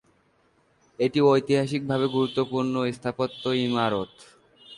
এটি ঐতিহাসিকভাবে গুরুত্বপূর্ণ স্থাপত্য ইমারত।